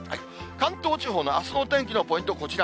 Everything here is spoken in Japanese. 関東地方のあすのお天気のポイント、こちら。